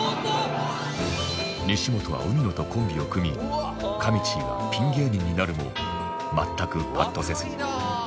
西本は海野とコンビを組みかみちぃはピン芸人になるも全くパッとせず